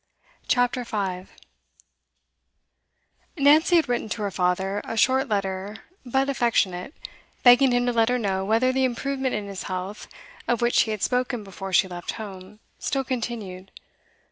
CHAPTER 5 Nancy had written to her father, a short letter but affectionate, begging him to let her know whether the improvement in his health, of which he had spoken before she left home, still continued.